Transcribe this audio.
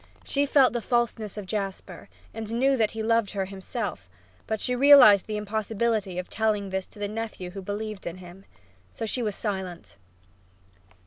She felt the falseness of Jasper, and knew that he loved her himself, but she realized the impossibility of telling this to the nephew who believed in him. So she was silent.